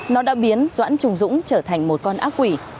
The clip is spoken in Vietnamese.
nó đã biến doãn trùng dũng trở thành một con ác quỷ